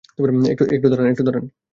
একটু দাঁড়ান, একটু দাঁড়ান!